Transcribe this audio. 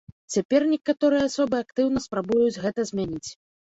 Цяпер некаторыя асобы актыўна спрабуюць гэта змяніць.